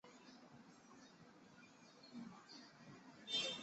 刘宽人。